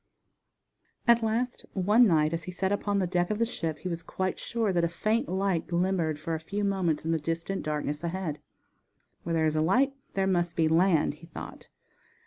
At last one night as he sat upon the deck of the ship he was quite sure that a faint light glimmered for a few moments in the distant darkness ahead. Where there is a light there must be land, he thought.